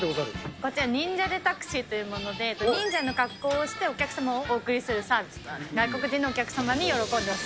こちら、忍者でタクシーというもので、忍者の格好をしてお客様をお送りするサービスなんです。